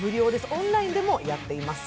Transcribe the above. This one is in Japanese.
オンラインでもやっています。